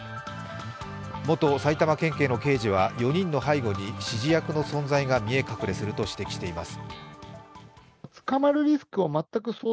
元埼玉県警の刑事は４人の背後に指示役の存在が見え隠れすると指摘しています。